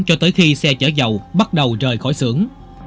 cho tới khi xe chở dầu bắt đầu rời khỏi xưởng